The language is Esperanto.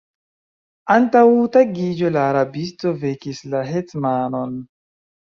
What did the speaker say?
Antaŭ tagiĝo la rabisto vekis la hetmanon.